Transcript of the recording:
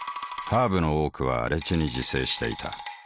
ハーブの多くは荒地に自生していた。